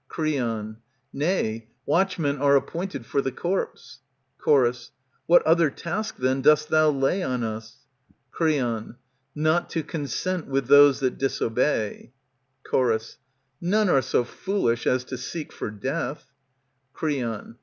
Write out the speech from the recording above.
Creon, Nay, watchmen are appointed for the corpse. Chor, What other task then dost thou lay on us ? Creon, Not to consent with those that disobey. Chor. None are so foolish as to seek for death. ^^ Creon.